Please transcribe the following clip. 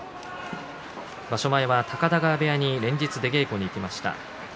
場所前は高田川部屋に連日出稽古に行きました。